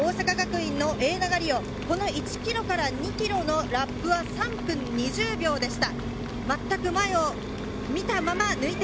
大阪学院の永長里緒、１ｋｍから２ｋｍのラップは３分２０秒でした。